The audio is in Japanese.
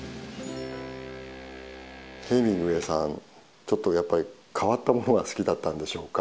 ヘミングウェイさんちょっとやっぱり変わったものが好きだったんでしょうか。